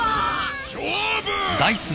勝負！